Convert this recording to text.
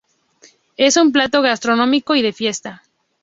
Es un plato gastronómico y de fiesta.